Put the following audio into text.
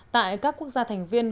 tại các quốc gia thành viên